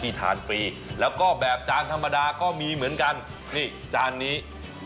ทานฟรีแล้วก็แบบจานธรรมดาก็มีเหมือนกันนี่จานนี้